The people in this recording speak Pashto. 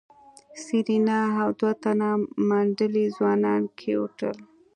سېرېنا او دوه تنه منډلي ځوانان کېوتل.